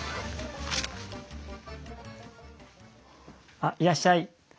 あっいらっしゃい。